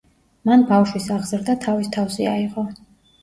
მან ბავშვის აღზრდა თავის თავზე აიღო.